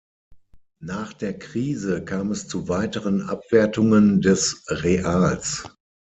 Nach der Krise kam es zu weiteren Abwertungen des Reals.